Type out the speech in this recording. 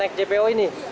naik jpo ini